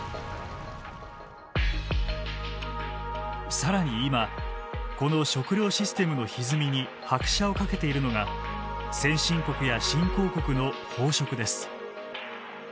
更に今この食料システムのひずみに拍車をかけているのが先進国や新興国の飽食です。